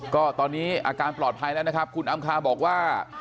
ก็ตอนนี้อาการปลอดภัยแล้วนะครับคุณอำคาบอกว่า